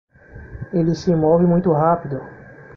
Ele se move muito rápido!